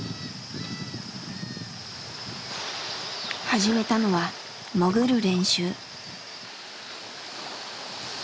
始めたのは潜る練習。